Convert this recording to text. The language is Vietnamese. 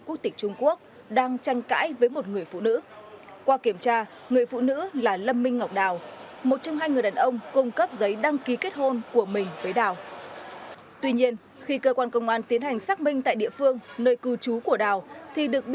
không có việc nào đăng ký kết hôn với người nước ngoài